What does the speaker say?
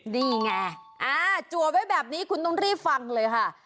นี่ไงจัวไว้แบบนี้คุณต้องรีบฟังเลยค่ะ